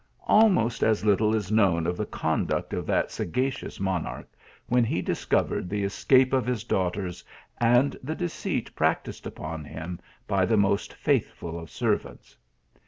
Almost as little is known of the conduct of that sagacious monarch, when he discovered the escape of his daughters and. the deceit practised upon him by the most faithful of servants.